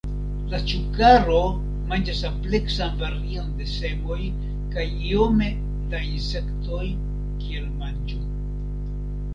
La Ĉukaro manĝas ampleksan varion de semoj kaj iome da insektoj kiel manĝo.